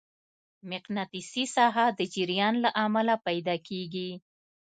مقناطیسي ساحه د جریان له امله پیدا کېږي.